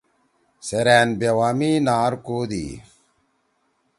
سیرأن بیوا می نار کودی۔